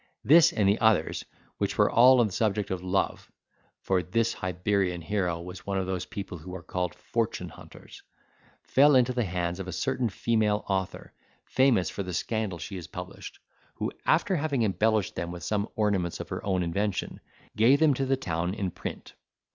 This, and the others, which were all on the subject of love (for this Hibernian hero was one of those people who are called fortune hunters), fell into the hands of a certain female author, famous for the scandal she has published; who, after having embellished them with some ornaments of her own invention, gave them to the to town in print.